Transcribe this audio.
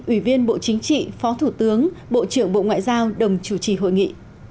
ủy viên bộ chính trị phó thủ tướng bộ trưởng bộ ngoại giao đồng chủ trì hội nghị